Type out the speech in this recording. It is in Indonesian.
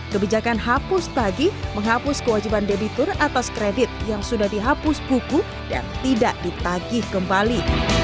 kebijakan hapus tagih menghapus kewajiban debitur atas kredit yang sudah dihapus buku dan tidak ditagih kembali